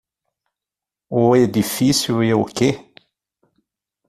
O edifício e o que?